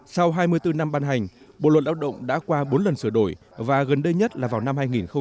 sau hai mươi bốn năm ban hành bộ luật lao động đã qua bốn lần sửa đổi và gần đây nhất là vào năm hai nghìn một mươi năm